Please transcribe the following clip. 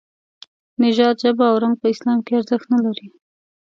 نژاد، ژبه او رنګ په اسلام کې ارزښت نه لري.